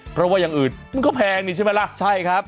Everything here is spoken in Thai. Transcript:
เพราะว่าอย่างอื่นมันก็แพงนี่ใช่ไหมล่ะใช่ครับ